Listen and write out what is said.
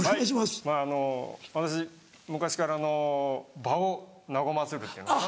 はいあの私昔から場を和ませるっていうのかな。